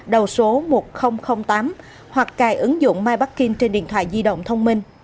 đầu số một nghìn tám hoặc cài ứng dụng mybacking trên điện thoại di động thông minh